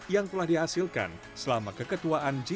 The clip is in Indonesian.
yang telah dihasilkan selama keketuaan g dua puluh